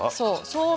そう。